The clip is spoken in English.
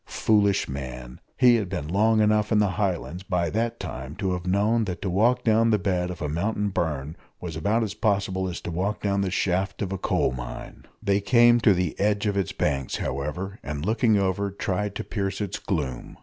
Foolish man! he had been long enough in the Highlands by that time to have known that to walk down the bed of a mountain burn was about as possible as to walk down the shaft of a coal mine. They came to the edge of its banks, however, and, looking over, tried to pierce its gloom.